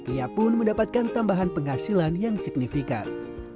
ia pun mendapatkan tambahan penghasilan yang signifikan